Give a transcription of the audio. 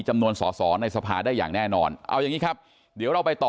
จำนวนสอสอในสภาได้อย่างแน่นอนเอาอย่างนี้ครับเดี๋ยวเราไปต่อ